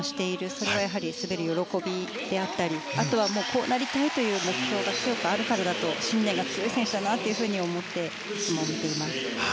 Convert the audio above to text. それは滑る喜びであったりあとは、こうなりたいという目標が強くあるからだと信念が強い選手だなと思っていつも見ています。